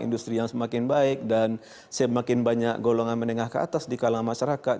industri yang semakin baik dan semakin banyak golongan menengah ke atas di kalangan masyarakat